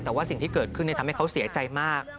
แต่ว่าสิ่งที่เกิดขึ้นทำให้เขาเสียใจมาก